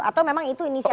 atau memang itu inisiatifnya